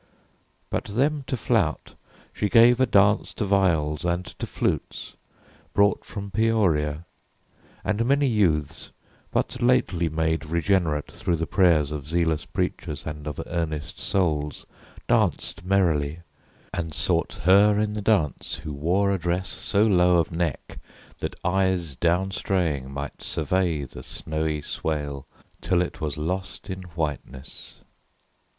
But them to flout She gave a dance to viols and to flutes, Brought from Peoria, and many youths, But lately made regenerate through the prayers Of zealous preachers and of earnest souls, Danced merrily, and sought her in the dance, Who wore a dress so low of neck that eyes Down straying might survey the snowy swale 'Till it was lost in whiteness.